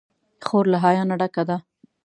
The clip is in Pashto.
خور له حیا نه ډکه ده.